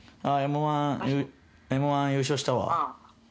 Ｍ−１、優勝したわ。